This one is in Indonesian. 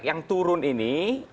yang turun ini